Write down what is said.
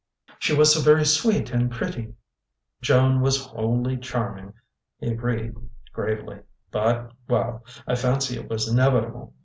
"She was so very sweet and pretty " "Joan was wholly charming," he agreed gravely, "but well, I fancy it was inevitable.